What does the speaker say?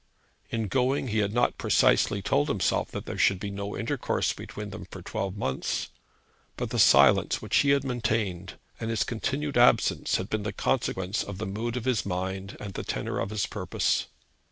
In going, he had not precisely told himself that there should be no intercourse between them for twelve months; but the silence which he had maintained, and his continued absence, had been the consequence of the mood of his mind and the tenor of his purpose.